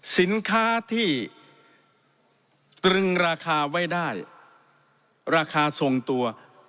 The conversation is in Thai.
สินค้าที่ตรึงราคาไว้ได้ราคาทรงตัว